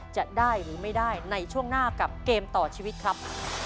จะได้หรือไม่ได้ในช่วงหน้ากับเกมต่อชีวิตครับ